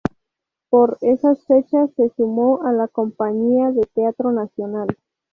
Por esas fechas se sumó a la Compañía de Teatro Nacional.